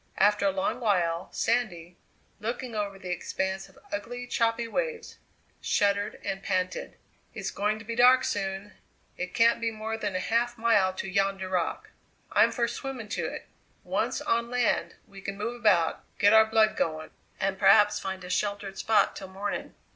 After a long while Sandy, looking over the expanse of ugly choppy waves, shuddered and panted: "It's going to be dark soon; it can't be more than a half mile to yonder rock I'm for swimming to it! Once on land we can move about, get our blood going, and perhaps find a sheltered spot till morning!"